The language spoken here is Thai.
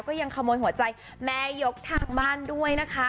ก็ยังขโมยหัวใจแม่ยกทางบ้านด้วยนะคะ